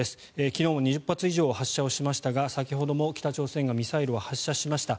昨日も２０発以上を発射しましたが先ほども北朝鮮がミサイルを発射しました。